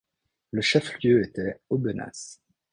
Le chef-lieu était Aubenas.